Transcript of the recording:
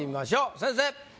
先生！